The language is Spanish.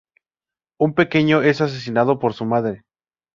Un pequeño es asesinado por su madre.